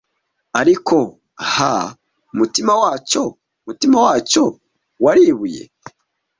Ariko, ah! umutima wacyo, umutima wacyo wari ibuye,